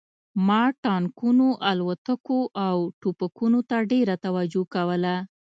ما ټانکونو الوتکو او ټوپکونو ته ډېره توجه کوله